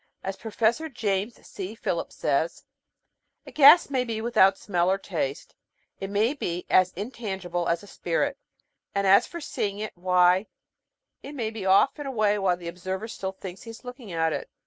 As Professor James C. Philip says: A gas may be without smell or taste, it may be as intangible as a spirit, and as for seeing it, why> it may be off and away while the observer still thinks he is looking at it.